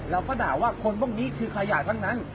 เราก็ด่าว่าคนพวกนี้คือขยะทั้งนั้น